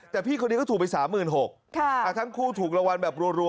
แต่พี่คนดีก็ถูกไปสามหมื่นหกทั้งคู่ถูกละวันแบบรัว